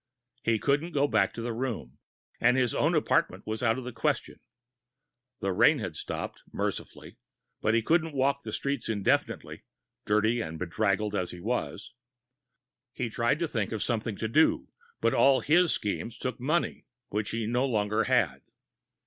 He couldn't go back to the room, and his own apartment was out of the question. The rain had stopped, mercifully, but he couldn't walk the streets indefinitely, dirty and bedraggled as he was. He tried to think of something to do, but all of his schemes took money which he no longer had.